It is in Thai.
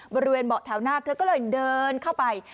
บริเวณเบาะแถวหน้าเธอก็เลยเดินเข้าไป